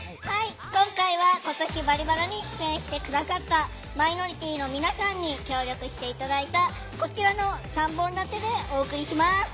今回は今年「バリバラ」に出演して下さったマイノリティーの皆さんに協力して頂いたこちらの３本立てでお送りします。